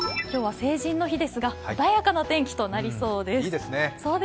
今日も成人の日ですが、穏やかな天気となりそうです。